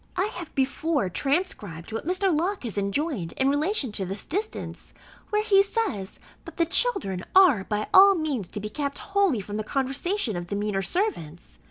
I have before transcribed what Mr. Locke has enjoined in relation to this distance, where he says, that the children are by all means to be kept wholly from the conversation of the meaner servants.